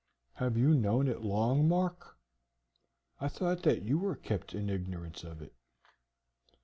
"Have you known it long, Mark? I thought that you were kept in ignorance of it."